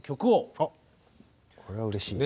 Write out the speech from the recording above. あっこれはうれしいな。